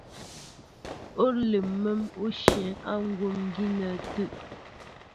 Olɛm mɛ̌n ó shyɛ̌ á kwón gínɛ́ tə̂.